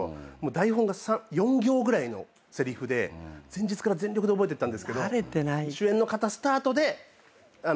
台本が４行ぐらいのせりふで前日から全力で覚えていったんですけど主演の方スタートでせりふがあって僕で。